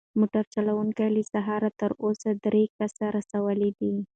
موټر چلونکی له سهاره تر اوسه درې کسه رسولي دي.